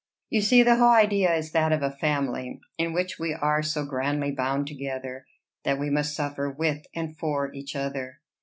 You see the whole idea is that of a family, in which we are so grandly bound together, that we must suffer with and for each other.